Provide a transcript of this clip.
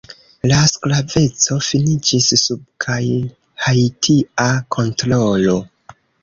La sklaveco finiĝis sub kaj haitia kontrolo.